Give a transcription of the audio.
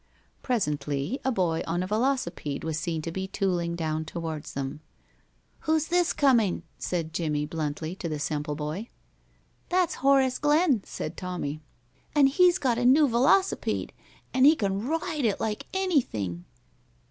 Presently a boy on a velocipede was seen to be tooling down towards them. "Who's this comin'?" said Jimmie, bluntly, to the Semple boy. "That's Horace Glenn," said Tommie, "an' he's got a new velocipede, an' he can ride it like anything."